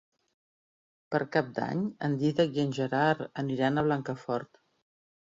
Per Cap d'Any en Dídac i en Gerard aniran a Blancafort.